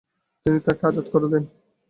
তিনি তাকে আযাদ করে দেন।